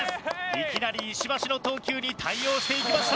いきなり石橋の投球に対応していきました。